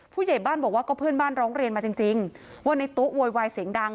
ผู้ใหญ่บ้านบอกว่าก็เพื่อนบ้านร้องเรียนมาจริงว่าในตู้โวยวายเสียงดัง